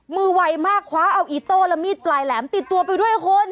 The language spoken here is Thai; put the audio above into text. ไวมากคว้าเอาอีโต้และมีดปลายแหลมติดตัวไปด้วยคุณ